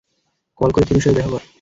Call করে থিরুর সাথে দেখা কর।